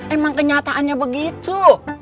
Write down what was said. emang kenyataannya begitu